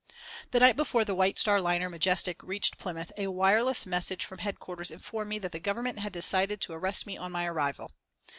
The night before the White Star liner Majestic reached Plymouth a wireless message from headquarters informed me that the Government had decided to arrest me on my arrival.